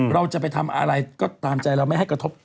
เราจะไปทำอะไรก็ตามใจเราไม่ให้กระทบ